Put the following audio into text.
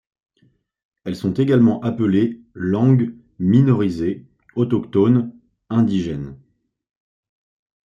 Elles sont également appelées langues minorisées, autochtones, indigènes, s.